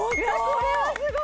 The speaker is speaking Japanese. これはすごい！